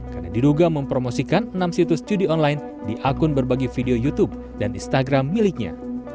karena diduga mempromosikan enam situs judi online di akun berbagi video youtube dan instagram miliknya